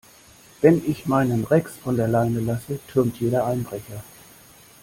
Wenn ich meinen Rex von der Leine lasse, türmt jeder Einbrecher.